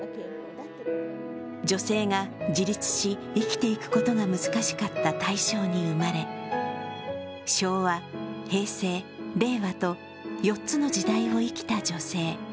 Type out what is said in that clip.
女性が自立し生きていくことが難しかった大正に生まれ昭和、平成、令和と４つの時代を生きた女性。